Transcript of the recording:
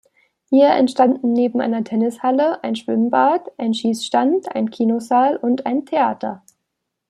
Hier entstanden neben einer Tennishalle ein Schwimmbad, ein Schießstand, ein Kinosaal und ein Theater.